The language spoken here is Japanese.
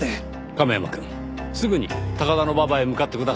亀山くんすぐに高田馬場へ向かってください。